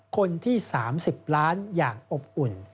คนที่๓๐ล้านอย่างอบอุ่น